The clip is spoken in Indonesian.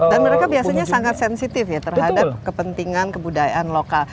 dan mereka biasanya sangat sensitif ya terhadap kepentingan kebudayaan lokal